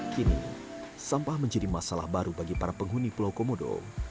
kini sampah menjadi masalah baru bagi para penghuni pulau komodo